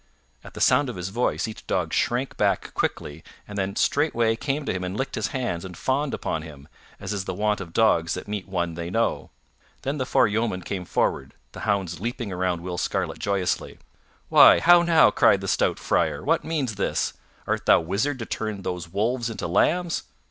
At the sound of his voice each dog shrank back quickly and then straightway came to him and licked his hands and fawned upon him, as is the wont of dogs that meet one they know. Then the four yeomen came forward, the hounds leaping around Will Scarlet joyously. "Why, how now!" cried the stout Friar, "what means this? Art thou wizard to turn those wolves into lambs?